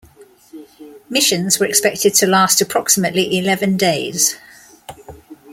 Missions were expected to last approximately eleven days.